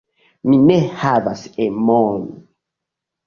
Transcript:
Mi ne havas emon.